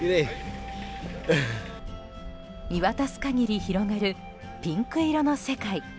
見渡す限り広がるピンク色の世界。